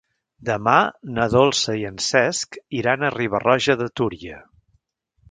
Demà na Dolça i en Cesc iran a Riba-roja de Túria.